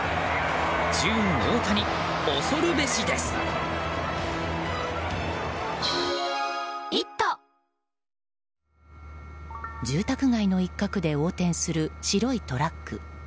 ジューン・オオタニ住宅街の一角で横転する白いトラック。